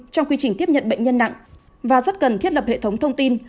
trong quy trình tiếp nhận bệnh nhân nặng và rất cần thiết lập hệ thống thông tin